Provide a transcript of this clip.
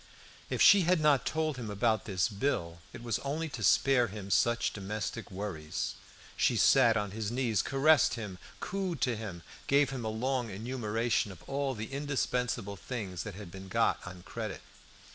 If she had not told him about this bill, it was only to spare him such domestic worries; she sat on his knees, caressed him, cooed to him, gave him a long enumeration of all the indispensable things that had been got on credit.